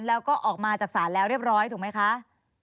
แล้วก็ออกมาจากศาลแล้วเรียบร้อยถูกไหมคะ